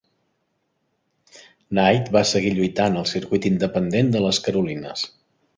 Knight va seguir lluitant al circuit independent de Les Carolines.